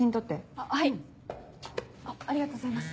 ありがとうございます。